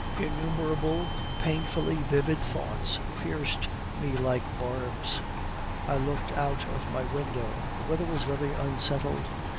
Innumerable painfully vivid thoughts pierced me like barbs. I looked out of my window; the weather was very unsettled.